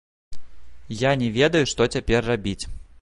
Я не ведаю што цяпер рабіць.